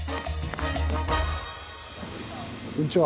こんにちは。